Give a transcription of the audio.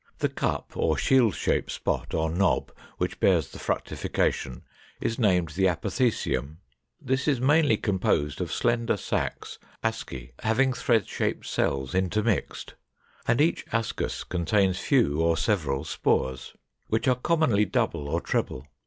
The cup, or shield shaped spot, or knob, which bears the fructification is named the Apothecium. This is mainly composed of slender sacs (Asci), having thread shaped cells intermixed; and each ascus contains few or several spores, which are commonly double or treble.